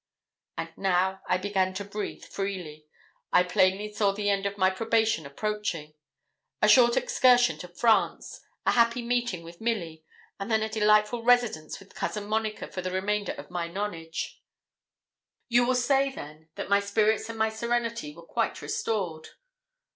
And now I began to breathe freely, I plainly saw the end of my probation approaching: a short excursion to France, a happy meeting with Milly, and then a delightful residence with Cousin Monica for the remainder of my nonage. You will say then that my spirits and my serenity were quite restored.